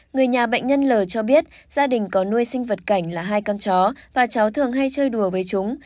người nhà bệnh nhân l cho biết gia đình có nuôi sinh vật cảnh là hai con chó và cháu thường hay chơi đùa với chúng